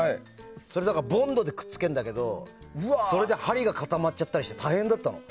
ボンドでくっつけるんだけどそれで針が固まったりして大変だったの。